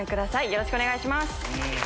よろしくお願いします。